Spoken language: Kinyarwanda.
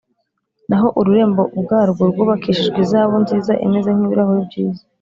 naho ururembo ubwarwo rwubakishijwe izahabu nziza imeze nk’ibirahuri byiza.